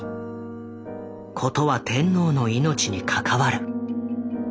事は天皇の命に関わる。